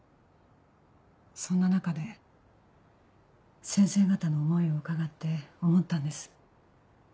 そんな中で先生方の思いを伺って思ったんです。